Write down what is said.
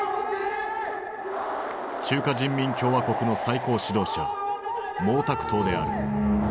中華人民共和国の最高指導者毛沢東である。